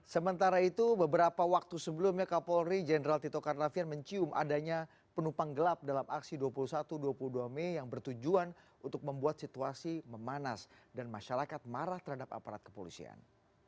sementara itu beberapa waktu sebelumnya kapolri jenderal tito karnavian mencium adanya penumpang gelap dalam aksi dua puluh satu dua puluh dua mei yang bertujuan untuk membuat situasi memanas dan masyarakat marah terhadap aparat kepolisian